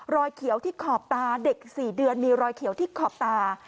รอยเขียวที่ขอบตาเด็ก๔เดือนมีรอยเขียวที่ขอบตา